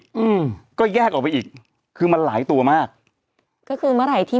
อืมก็แยกออกไปอีกคือมันหลายตัวมากก็คือเมื่อไหร่ที่